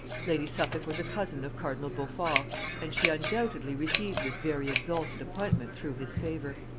Lady Suffolk was a cousin of Cardinal Beaufort, and she undoubtedly received this very exalted appointment through his favor.